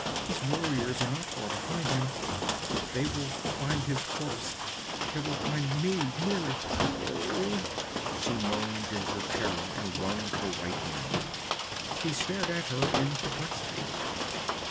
His warriors are not far behind him. They will find his corpse they will find me near it oh!' She moaned in her terror and wrung her white hands. He stared at her in perplexity.